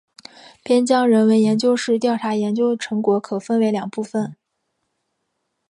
边疆人文研究室调查研究成果可分为两部分。